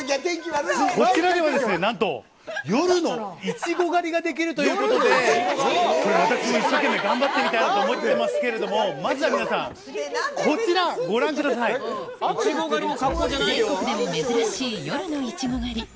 こちらではなんと、夜のイチゴ狩りができるということで、これ、私も一生懸命頑張ってみたいと思っていますけれども、まずは皆さ全国でも珍しい夜のイチゴ狩り。